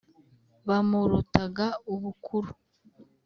bamurutaga ubukuru.